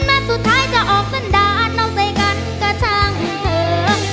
แม้สุดท้ายจะออกสั้นดานเอาใจกันก็ช่างเถอะ